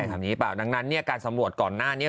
ดำเนินทางนี้การสำรวจก่อหน้า